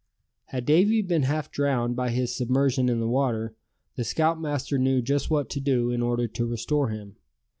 Had Davy been half drowned by his submersion in the water, the scoutmaster knew just what to do in order to restore him.